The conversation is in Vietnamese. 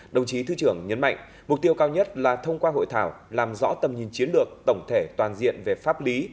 đồng chí thứ trưởng nhấn mạnh mục tiêu cao nhất là thông qua hội thảo làm rõ tầm nhìn chiến lược tổng thể toàn diện về pháp lý